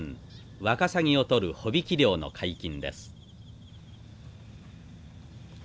ワカサギを取る帆引き漁の解禁です。